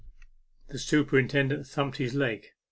The superintendent thumped his leg.